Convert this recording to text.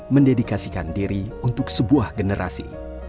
mendedikasikan diri untuk sebuah generasi